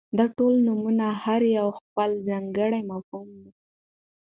داټول نومونه هر يو خپل ځانګړى مفهوم ،